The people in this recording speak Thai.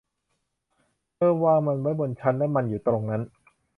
เธอวางมันไว้บนชั้นและมันอยู่ตรงนั้น